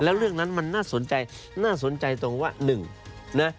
แล้วเรื่องนั้นมันน่าสนใจตรงว่า